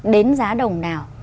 đến giá đồng nào